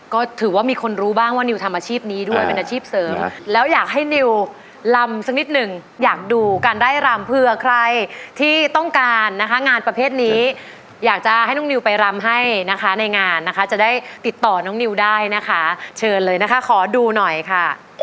ก็ถือว่ามีคนรู้บ้างว่านิวทำอาชีพนี้ด้วยเป็นอาชีพเสริมแล้วอยากให้นิวลำสักนิดหนึ่งอยากดูการไล่รำเผื่อใครที่ต้องการนะคะงานประเภทนี้อยากจะให้น้องนิวไปรำให้นะคะในงานนะคะจะได้ติดต่อน้องนิวได้นะคะเชิญเลยนะคะขอดูหน่อยค่ะ